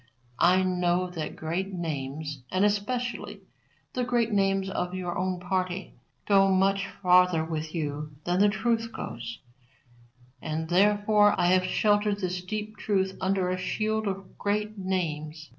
I know that great names, and especially the great names of your own party, go much farther with you than the truth goes, and therefore I have sheltered this deep truth under a shield of great names.